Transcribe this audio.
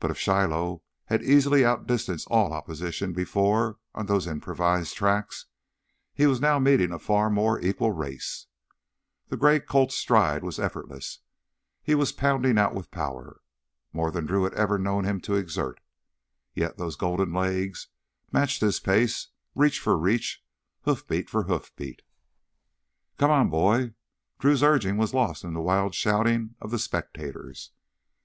But if Shiloh had easily outdistanced all opposition before on those improvised tracks, he was now meeting a far more equal race. The gray colt's stride was effortless, he was pounding out with power—more than Drew had ever known him to exert. Yet those golden legs matched his pace, reach for reach, hoofbeat for hoofbeat. "Come on, boy!" Drew's urging was lost in the wild shouting of the spectators.